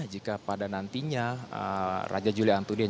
jika pada nantinya raja juli antudin